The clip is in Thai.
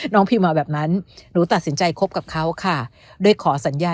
พี่มาแบบนั้นหนูตัดสินใจคบกับเขาค่ะโดยขอสัญญา